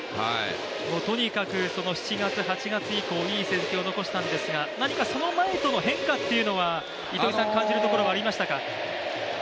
とにかく７月８月以降にいい成績を残したんですが、何かその前との変化っていうのは感じるところはありましたか？